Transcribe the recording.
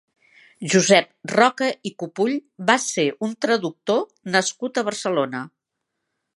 Josep Roca i Cupull va ser un traductor nascut a Barcelona.